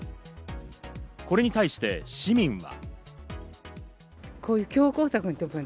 これに対して市民は。